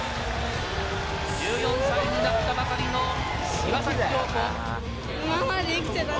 １４歳になったばかりの岩崎恭子。